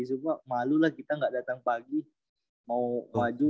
sebab malulah kita gak datang pagi mau maju